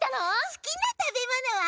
すきなたべものは？